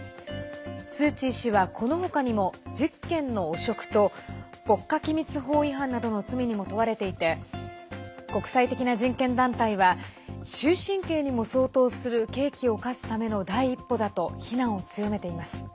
スー・チー氏はこのほかにも１０件の汚職と国家機密法違反などの罪にも問われていて国際的な人権団体は終身刑にも相当する刑期を科すための第一歩だと非難を強めています。